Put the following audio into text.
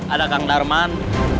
ada kang darman